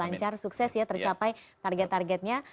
lancar sukses ya tercapai target targetnya